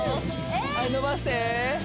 はい伸ばして！